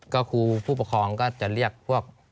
ก็ครูผู้ปกครองก็จะเรียกพวก